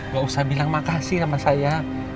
gak usah bilang makasih sama saya